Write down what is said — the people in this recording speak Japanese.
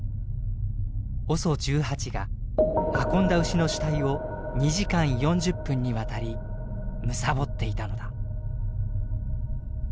ＯＳＯ１８が運んだ牛の死体を２時間４０分にわたり貪っていたのだ。